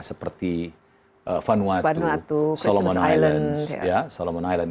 seperti vanuatu solomon islands